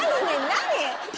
何？